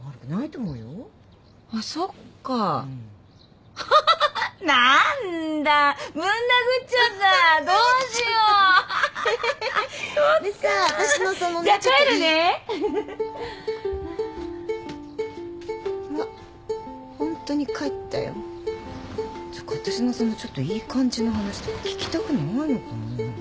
つうか私のそのちょっといい感じの話とか聞きたくないのかな。